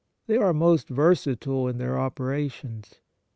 They are most versatile in their operations.